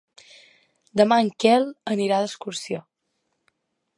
Demà en Quel irà d'excursió.